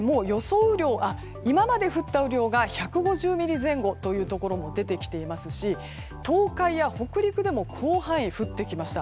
今まで降った雨量が１５０ミリ前後というところも出てきていますし東海や北陸でも広範囲に降ってきました。